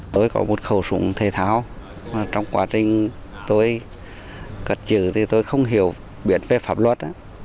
tôi có một khẩu súng thể thao trong quá trình tôi cất chữ thì tôi không hiểu biết về pháp luật